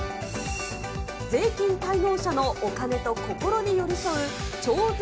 税金滞納者のお金と心に寄り添う徴税